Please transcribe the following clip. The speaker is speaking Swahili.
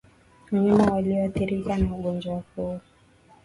Wanyama walio athirika na ugonjwa